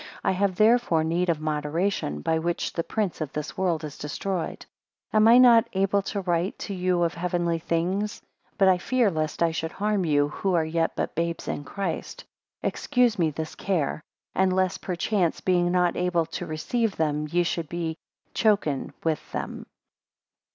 I have, therefore, need of moderation; by which the prince of this world is destroyed. 17 Am I not able to write to you of heavenly things? But I fear lest I should harm you, who are yet but babes in Christ; (excuse me this care;) and lest perchance being not able to receive them, ye should be choken with them.